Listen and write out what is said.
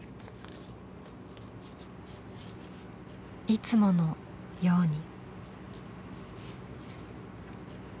いつものように。